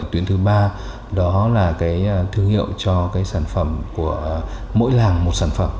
tuyến thứ ba đó là cái thương hiệu cho cái sản phẩm của mỗi làng một sản phẩm